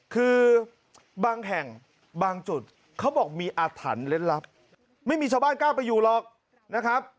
คือบางแห่งบางจุดเขาบอกมีอาถรรพ์เล่นลับไม่มีชาวบ้านกล้าไปอยู่หรอกนะครับ